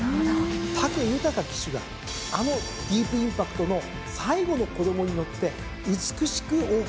武豊騎手があのディープインパクトの最後の子供に乗って美しく桜花賞を勝つ。